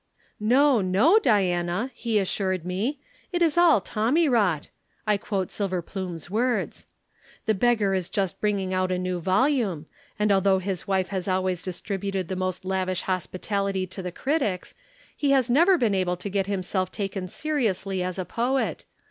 '" "'No, no, Diana,' he assured me. 'It is all tommyrot (I quote Silverplume's words). The beggar is just bringing out a new volume, and although his wife has always distributed the most lavish hospitality to the critics, he has never been able to get himself taken seriously as a poet.